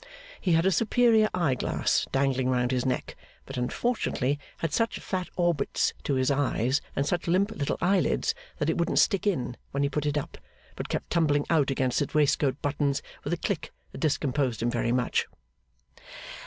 He had a superior eye glass dangling round his neck, but unfortunately had such flat orbits to his eyes and such limp little eyelids that it wouldn't stick in when he put it up, but kept tumbling out against his waistcoat buttons with a click that discomposed him very much.